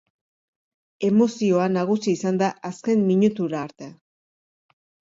Emozioa nagusi izan da azken minutura arte.